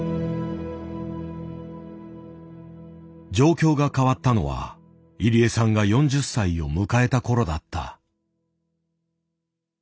状況が変わったのは入江さんが４０歳を迎えたころだった。